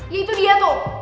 ya itu dia tuh